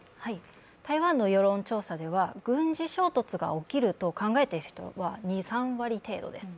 台湾の世論調査では軍事衝突が起きると考えている人は２３割程度です。